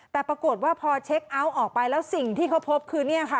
แต่ปรากฏว่าพอเช็คเอาท์ออกไปแล้วสิ่งที่เขาพบคือเนี่ยค่ะ